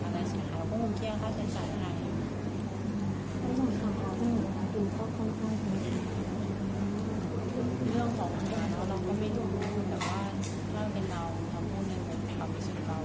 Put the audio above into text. แล้วส่วนของเขาก็ไม่รู้เราก็ไม่ต้องพูดแต่ว่าเล่าเป็นเราเราพูดหนึ่งก็เป็นการพิสิทธิ์เรา